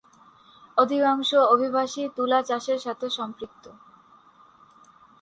অধিকাংশ অধিবাসী তুলা চাষের সাথে সম্পৃক্ত।